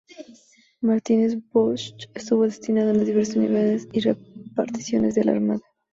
Martínez Busch estuvo destinado en diversas unidades y reparticiones de la Armada.